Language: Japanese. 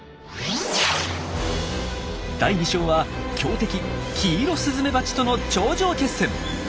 第２章は強敵キイロスズメバチとの頂上決戦！